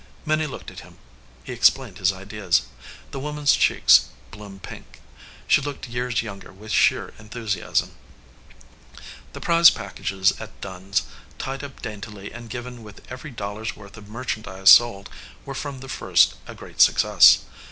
Minnie looked at him. He explained his ideas. The woman s cheeks bloomed pink. She looked years younger with sheer enthusiasm. The prize packages at Dunn s, tied up daintily and given with every dollar s worth of merchan dise sold, were from the first a great success.